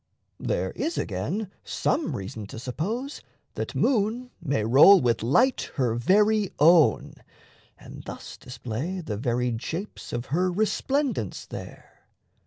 There is, again, Some reason to suppose that moon may roll With light her very own, and thus display The varied shapes of her resplendence there.